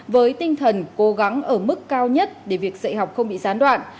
với tinh thần cố gắng ở mức cao nhất để việc dạy học không bị gián đoạn